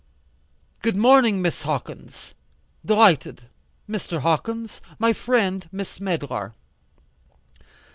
"Good morning, Miss Hawkins. Delighted. Mr. Hawkins. My friend, Miss Medlar."